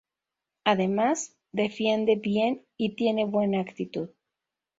Además, defiende bien y tiene buena actitud.